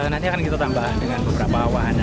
nanti akan kita tambah dengan beberapa wahana